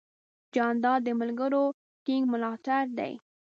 جانداد د ملګرو ټینګ ملاتړ دی.